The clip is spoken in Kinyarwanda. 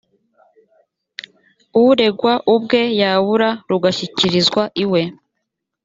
uregwa ubwe yabura rugashyikirizwa iwe